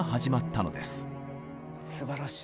すばらしい。